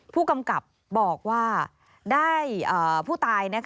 ผู้กำกับบอกว่าได้ผู้ตาย